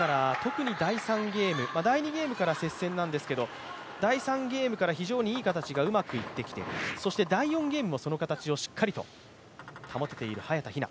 第２ゲームから接戦なんですけど第３ゲームから非常にいい形がうまくいってきている、そして第４ゲームもその形をしっかりと保っている早田ひな。